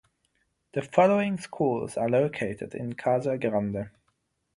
The following schools are located in Casa Grande.